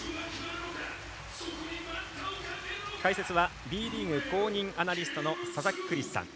解説はＢリーグ公認アナリストの佐々木クリスさん。